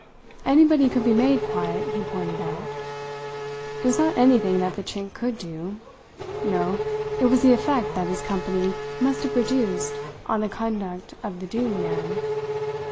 Anybody could be made quiet, he pointed out. It was not anything that the Chink could do; no, it was the effect that his company must have produced on the conduct of the doomed man.